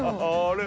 あれ？